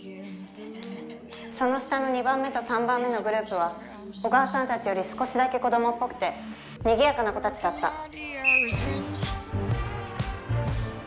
その下の二番目と三番目のグループは小川さんたちより少しだけ子供っぽくて賑やかな子たちだった。